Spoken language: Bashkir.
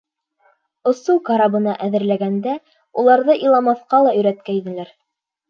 Осоу карабына әҙерләгәндә уларҙы иламаҫҡа ла өйрәткәйнеләр.